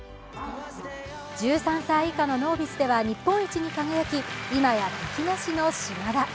１３歳以下のノービスでは日本一に輝き今や敵なしの島田。